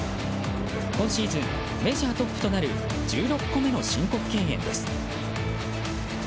今シーズンメジャートップとなる１６個目の申告敬遠です。